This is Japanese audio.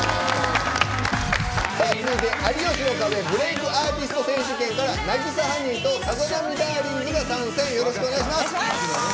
続いて「有吉の壁」ブレイクアーティスト選手権から渚ハニーとサザナミダーリン’ｓが参戦。